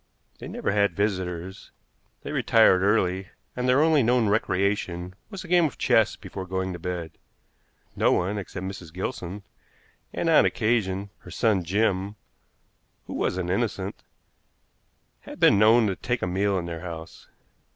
They never had visitors, they retired early, and their only known recreation was a game of chess before going to bed. No one, except Mrs. Gilson, and, on occasion, her son Jim, who was an "innocent," had been known to take a meal in their house.